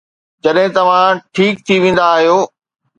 جڏهن توهان ٺيڪ ٿي ويندا آهيو.